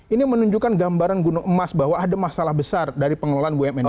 ini menunjukkan gambaran gunung emas bahwa ada masalah besar dari pengelolaan bumn ini